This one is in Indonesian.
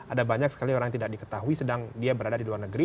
ada banyak sekali orang yang tidak diketahui sedang dia berada di luar negeri